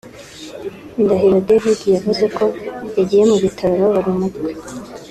Ndahiro David yavuze ko yagiye mu bitaro ababara umutwe